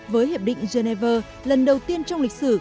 với hiệp định geneva lần đầu tiên trong lịch sử